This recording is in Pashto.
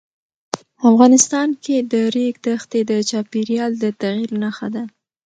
افغانستان کې د ریګ دښتې د چاپېریال د تغیر نښه ده.